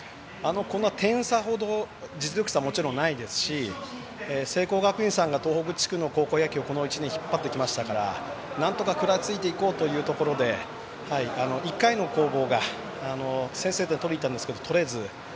この点差ほど実力差はないですし聖光学院さんが東北の高校野球をこの１年引っ張ってきましたからなんとか食らいついていこうというところで１回の攻防が先制点を取りにいったんですけど取れず。